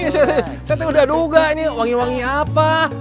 saya udah duga ini wangi wangi apa